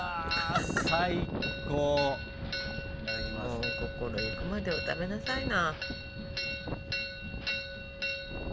もう心ゆくまでお食べなさいな。